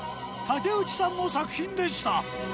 竹内さんの作品でした。